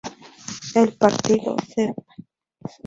El partido Dep.